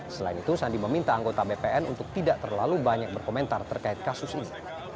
selain itu sandi meminta anggota bpn untuk tidak terlalu banyak berkomentar terkait kasus ini